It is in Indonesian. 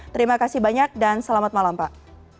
terima kasih banyak dan selamat malam pak